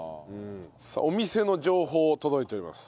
さあお店の情報届いております。